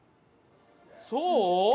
そう？